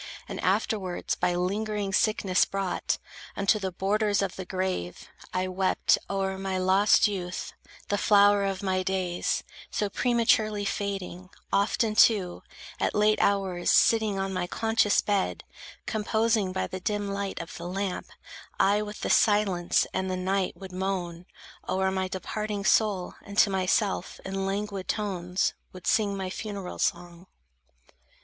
And afterwards, by lingering sickness brought Unto the borders of the grave, I wept O'er my lost youth, the flower of my days, So prematurely fading; often, too, At late hours sitting on my conscious bed, Composing, by the dim light of the lamp, I with the silence and the night would moan O'er my departing soul, and to myself In languid tones would sing my funeral song.